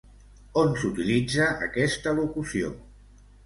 On s'utilitza aquesta locució?